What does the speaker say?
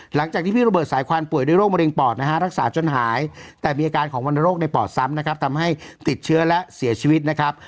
หลังจากที่พี่โรเบิร์ตสายควันป่วยด้วยโรคมะเร็งปอดนะฮะรักษาจนหายแต่มีอาการของวรรณโรคในปอดซ้ำนะครับทำให้ติดเชื้อและเสียชีวิตนะครับ